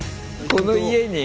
この家に？